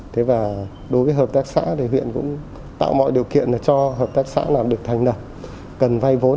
thế và đối với hợp tác xã thì huyện cũng tạo mọi điều kiện cho hợp tác xã được thành lập cần vay vốn